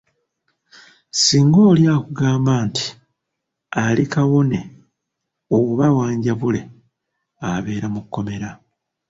Singa oli akugamba nti ali kawone oba wanjabule, abeera mu kkomera.